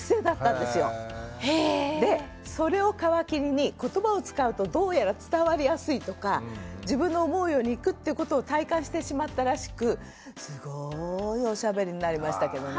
でそれを皮切りにことばを使うとどうやら伝わりやすいとか自分の思うようにいくっていうことを体感してしまったらしくすごいおしゃべりになりましたけどね。